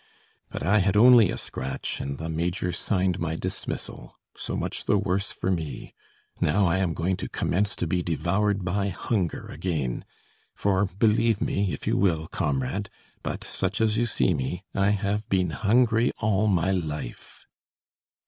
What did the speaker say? But I had only a scratch, and the major signed my dismissal. So much the worse for me! Now I am going to commence to be devoured by hunger again for, believe me, if you will, comrade, but, such as you see me, I have been hungry all my life."